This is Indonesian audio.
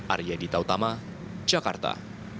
arya dita utama jakarta